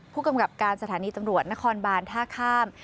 ผู้กำกับการสถานีตำรวจนครบานท่าข้าม